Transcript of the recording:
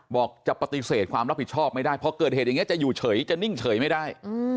บอกจะปฏิเสธความรับผิดชอบไม่ได้เพราะเกิดเหตุอย่างนี้จะอยู่เฉยจะนิ่งเฉยไม่ได้